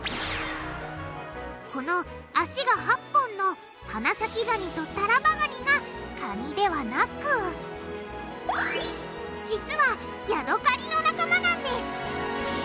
この脚が８本の花咲ガニとタラバガニがカニではなく実はヤドカリの仲間なんです！